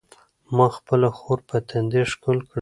ما خپله خور په تندي ښکل کړه.